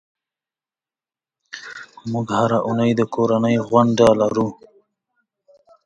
موږ هره اونۍ د کورنۍ غونډه لرو.